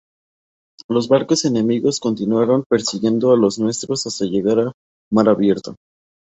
Los barcos enemigos continuaron persiguiendo a los nuestros hasta llegar a mar abierto.